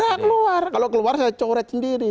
saya keluar kalau keluar saya coret sendiri